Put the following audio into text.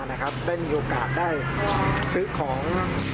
ได้ได้มีโอกาสค่อง